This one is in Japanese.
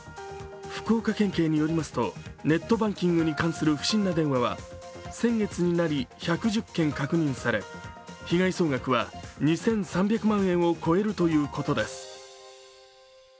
福岡県警によりますと、ネットバンキングによる不審な電話は先月になり１１０件確認され、被害総額は２３００万円を超えるということです。